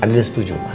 adina setuju pak